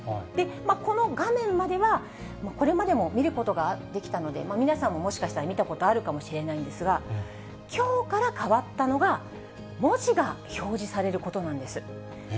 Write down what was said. この画面まではこれまでも見ることができたので、皆さんも、もしかしたら見たことあるかもしれないんですが、きょうから変わったのが、文字が表示されることなんです。